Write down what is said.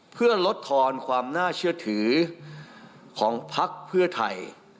เพื่อลดทอนความน่าเชื่อถือของพักเพื่อไทย